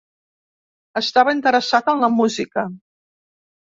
Estava interessat en la música.